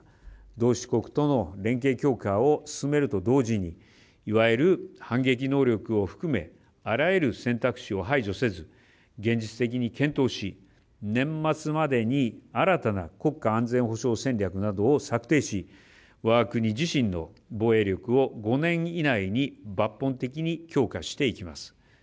同志国との連携強化を進めると同時にいわゆる反撃能力を含めあらゆる選択肢を排除せず現実的に検討し年末までに新たな国家安全保障戦略などを策定し、我が国自身の防衛力を５年以内に抜本的に強化していきます。